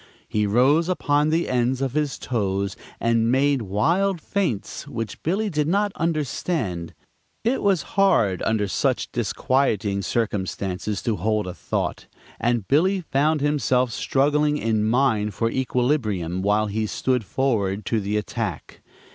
He rose upon the ends of his toes and made wild feints which Billy did not understand. It was hard, under such disquieting circumstances, to hold a thought, and Billy found himself struggling in mind for equilibrium while he stood forward to the attack.